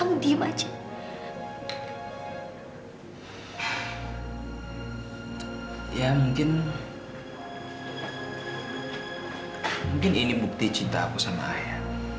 mungkin ini buktinya